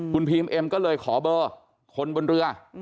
คุณพีมเอ็มก็เลยขอเบอร์คนบนเรือ